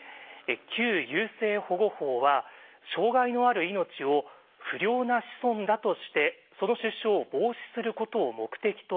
旧優生保護法は障害のある命を「不良な子孫」だとしてその出生を防止することを目的としていました。